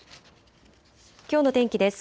きょうの天気です。